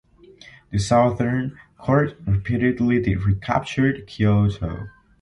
The Southern Court repeatedly recaptured Kyoto.